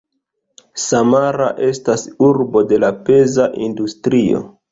Samara estas urbo de la peza industrio.